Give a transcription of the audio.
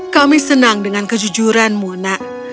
kami senang dengan kejujuranmu nak